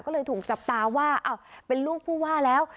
ก็เลยถูกจับตาว่าเป็นลูกผู้ว่าแล้ว